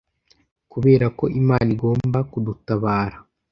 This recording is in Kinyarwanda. kuberako imana igomba kudutabara